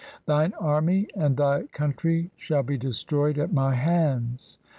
Thine army and thy country shall be destroyed at my hands.'